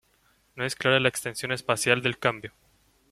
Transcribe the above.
No es clara la extensión espacial del cambio.